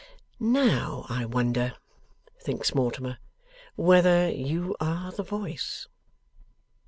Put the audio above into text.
['Now I wonder,' thinks Mortimer, 'whether you are the Voice!